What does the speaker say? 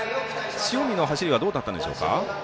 塩見の走りはどうだったんでしょうか？